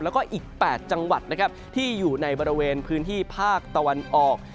แล้วก็อีก๘จังหวัดนะครับที่อยู่ในบริเวณพื้นที่ภาคตะวันออก